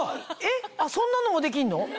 えっそんなのもできるの？